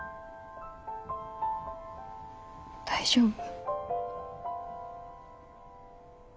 大丈夫？